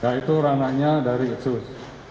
yaitu ranahnya dari itsus